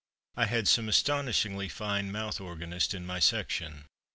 I had some astonishingly fine mouth organists in my section.